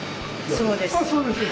そうです。